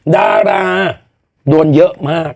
ดาราโดนเยอะมาก